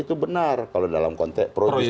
itu benar kalau dalam konteks projustis ya